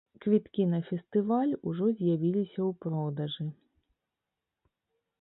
Квіткі на фестываль ужо з'явіліся ў продажы.